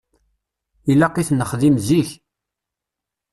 Ilaq i t-nexdim zik.